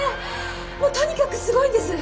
もうとにかくすごいんです！